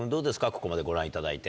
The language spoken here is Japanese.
ここまでご覧いただいて。